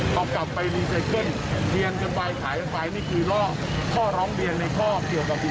ก็ถือไปที่เจ้าวาดวัดในเขตดังนั้น